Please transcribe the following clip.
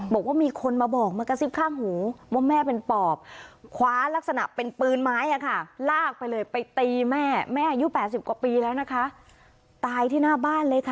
บอกว่ามีคนมาบอกมากระซิบข้ามหูว่าแม่เป็นปอบ